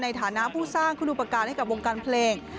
ในฐานะผู้สร้างคุณอุปการณ์ให้กับวงการเพลง